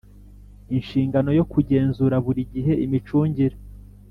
Inshingano yo kugenzura buri gihe imicungire